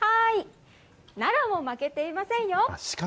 奈良も負けていませんよ。